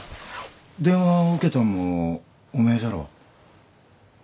電話を受けたんもおめえじゃろお？